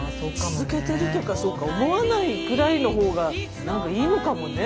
続けてるとかそうか思わないぐらいの方が何かいいのかもね。